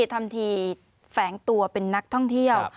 ทำทีแฝงตัวเป็นนักท่องเที่ยว